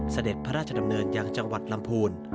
เสด็จพระราชดำเนินยังจังหวัดลำพูน